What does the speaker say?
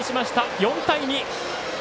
４対２。